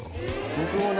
僕もね